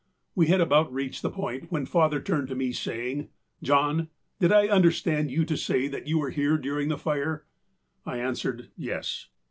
We had about reached the point when father turned to me saying, âJohn, did I understand you to say you were here during this fire?â I answered âYes.